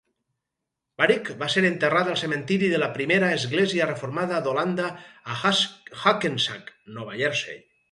Varick va ser enterrat al cementiri de la primera església reformada d'Holanda a Hackensack, Nova Jersey.